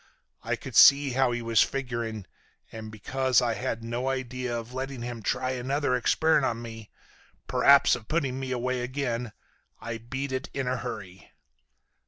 I could see how he was figuring, and because I had no idea of letting him try another experiment on me, p'r'aps of putting me away again, I beat it in a hurry.